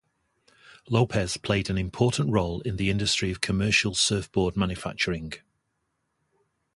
Lopez played an important role in the industry of commercial surfboard manufacturing.